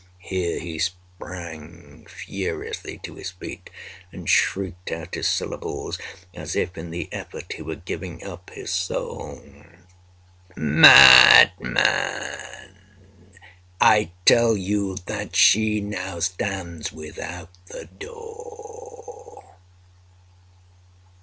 —here he sprang furiously to his feet, and shrieked out his syllables, as if in the effort he were giving up his soul—"Madman! I tell you that she now stands without the door!"